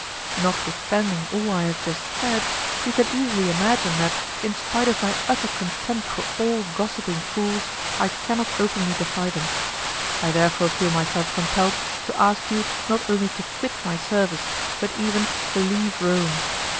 Notwithstanding all I have just said, you can easily imagine that, in spite of my utter contempt for all gossiping fools, I cannot openly defy them. I therefore feel myself compelled to ask you not only to quit my service, but even to leave Rome.